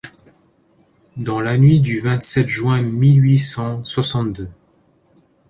Dans la nuit du vingt-sept juin mille huit cent soixante-deux.